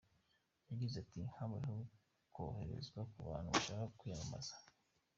Yagize ati “Habayeho koroherezwa ku bantu bashaka kwiyamamaza.